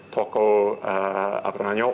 tokoh apa namanya